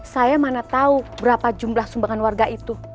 saya mana tahu berapa jumlah sumbangan warga itu